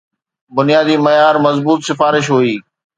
بنيادي معيار مضبوط سفارش هئي.